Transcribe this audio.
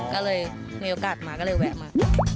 ก็เลยมีโอกาสมาก็เลยแวะมา